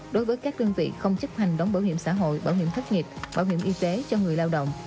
đối với các đơn vị không chấp hành đóng bảo hiểm xã hội bảo hiểm thất nghiệp bảo hiểm y tế cho người lao động